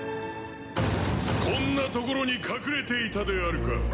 こんなところに隠れていたであるか。